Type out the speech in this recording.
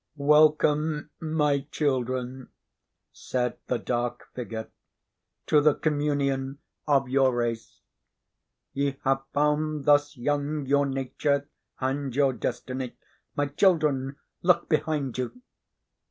"Welcome, my children," said the dark figure, "to the communion of your race. Ye have found thus young your nature and your destiny. My children, look behind you!"